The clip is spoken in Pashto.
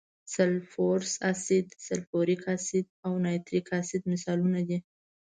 سلفورس اسید، سلفوریک اسید او نایتریک اسید مثالونه دي.